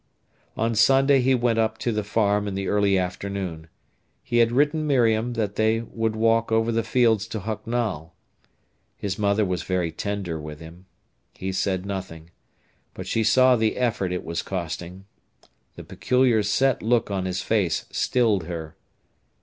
On Sunday he went up to the farm in the early afternoon. He had written Miriam that they would walk over the fields to Hucknall. His mother was very tender with him. He said nothing. But she saw the effort it was costing. The peculiar set look on his face stilled her.